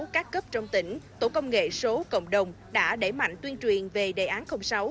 các cấp trong tỉnh tổ công nghệ số cộng đồng đã đẩy mạnh tuyên truyền về đề án sáu